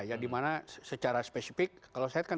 ya dimana secara spesifik kalau saya kan